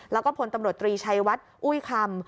แล้วก็พลตำรวจตรีชัยวัดอุ้ยคำ